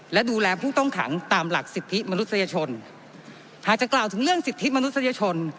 และดูแลผู้ต้องขังตามหลักสิทธิมนุษยชนหากจะกล่าวถึงเรื่องสิทธิมนุษยชน